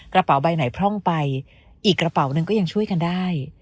กระเป๋าใบไหนพร่องไปอีกกระเป๋าหนึ่งก็ยังช่วยกันได้